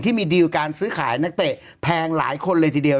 ดีลการซื้อขายนักเตะแพงหลายคนเลยทีเดียว